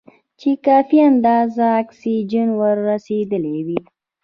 چې کافي اندازه اکسیجن ور رسېدلی وي.